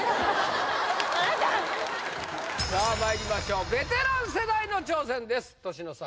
さあまいりましょうベテラン世代の挑戦です年の差！